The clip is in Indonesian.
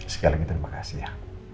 sekali lagi terima kasih ya